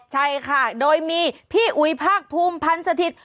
ใช่ค่ะโดยมีพี่อุ๋ยภาคภูมิพันธ์สถิตย์